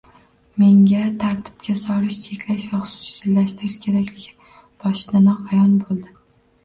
Menga tartibga solishni cheklash va xususiylashtirish kerakligi boshidanoq ayon bo'ldi